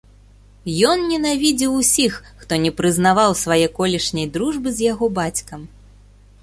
Ён ненавідзеў усіх, хто не прызнаваў свае колішняй дружбы з яго бацькам.